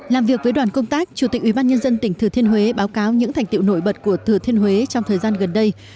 làm việc với đoàn công tác chủ tịch ubnd tỉnh thừa thiên huế báo cáo những thành tiệu nổi bật của thừa thiên huế trong thời gian gần đây